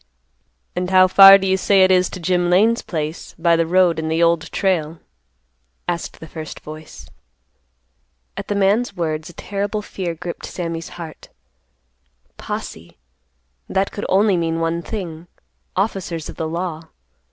"And how far do you say it is to Jim Lane's place, by the road and the Old Trail?" asked the first voice. At the man's words a terrible fear gripped Sammy's heart. "Posse," that could mean only one thing,—officers of the law.